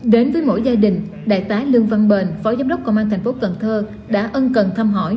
đến với mỗi gia đình đại tá lương văn bền phó giám đốc công an thành phố cần thơ đã ân cần thăm hỏi